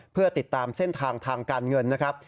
เพื่อติดตามเส้นทางทางการเงินนะครับ